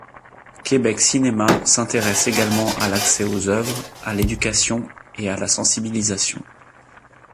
Québec Cinéma s’intéresse également à l’accès aux œuvres, à l’éducation et à la sensibilisation.